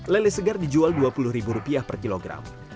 lele segar dijual dua puluh ribu rupiah per kilogram